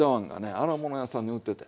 荒物屋さんに売っててん。